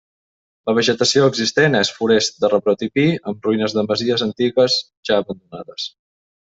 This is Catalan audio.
La vegetació existent és forest de rebrot i pi, amb ruïnes de masies antigues ja abandonades.